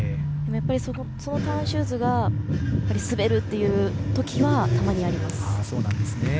そのターンシューズが滑るっていうときはたまにあります。